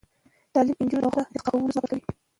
تعلیم نجونو ته د غوره انتخاب کولو ځواک ورکوي.